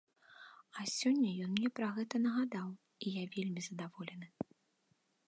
А сёння ён мне пра гэта нагадаў, і я вельмі задаволены.